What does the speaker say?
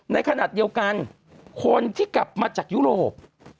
ในขณะเดียวกันคนที่กลับมาจากยุโรป